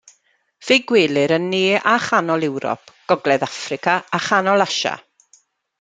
Fe'i gwelir yn ne a chanol Ewrop, gogledd Affrica a chanol Asia.